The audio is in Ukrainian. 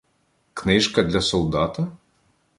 Книжка для солдата?